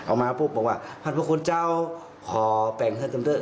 ออกมาปุ๊บบอกว่าพันธุ์พระคุณเจ้าขอแปลงให้เธอเติมเติ้ล